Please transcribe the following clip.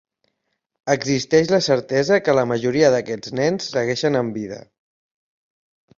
Existeix la certesa que la majoria d'aquests nens segueixen amb vida.